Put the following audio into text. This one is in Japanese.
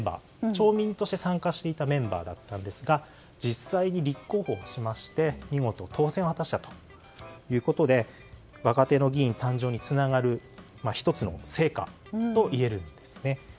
町民として参加していたメンバーでしたが実際に立候補して見事、当選したということで若手の議員誕生につながる１つの成果といえるんですね。